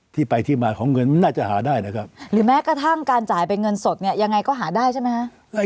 ที่ไปที่มาของเงินมันน่าจะหาได้นะครับหรือแม้กระทั่งการจ่ายเป็นเงินสดเนี่ยยังไงก็หาได้ใช่ไหมคะ